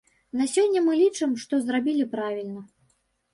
На сёння мы лічым, што зрабілі правільна.